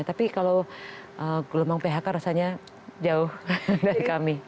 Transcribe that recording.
tapi kalau gelombang phk rasanya jauh dari kami